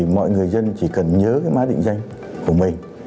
mọi người dân chỉ cần nhớ mạng định danh của mình